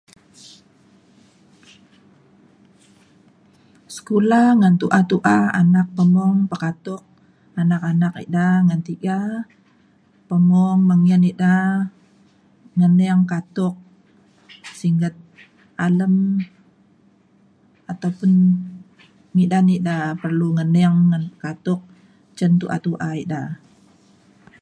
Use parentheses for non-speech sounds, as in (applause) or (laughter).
(noise) sekula ngan tu’a tu’a anak pemung pekatuk anak anak ida ngan tiga pemung mengin ida ngening katuk singget alem ataupun midan ida perlu ngening ngan katuk cen tu’a tu’a ida